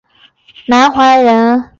戴梓却因此得罪了南怀仁。